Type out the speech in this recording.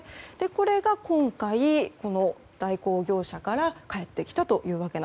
これが今回、この代行業者から返ってきたと。